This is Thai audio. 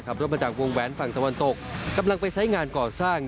ขับรถมาจากวงแหวนฝั่งตะวันตกกำลังไปใช้งานก่อสร้าง